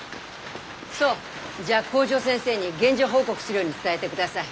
そうじゃあ校長先生に現状報告するように伝えでください。